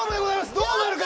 どうなるか。